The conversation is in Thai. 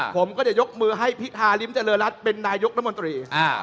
ผมก็จะยกมือให้พิธาริมเจริญรัฐเป็นนายกรัฐมนตรี